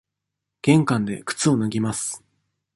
玄関で靴を脱ぎます。